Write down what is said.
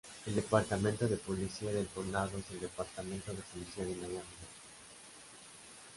El departamento de policía del condado es el Departamento de Policía de Miami-Dade.